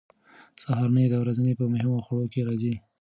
سهارنۍ د ورځې په مهمو خوړو کې راځي.